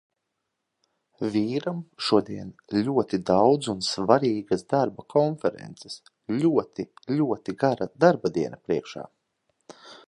Vīram šodien ļoti daudz un svarīgas darba konferences, ļoti, ļoti gara darbadiena priekšā.